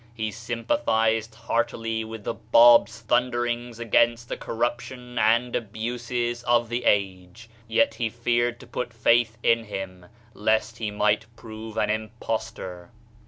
He sympa thized heartily with the Bab's thunderings against the corruption and abuses of the age, yet he feared to put faith in him, lest he might prove an impostor.